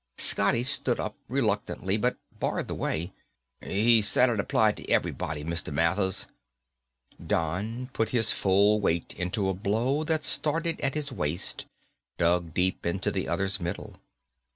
Scotty stood up, reluctantly, but barred the way. "He said it applied to everybody, Mr. Mathers." Don put his full weight into a blow that started at his waist, dug deep into the other's middle.